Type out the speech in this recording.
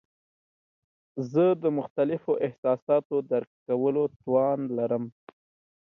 زه د مختلفو احساساتو درک کولو توان لرم.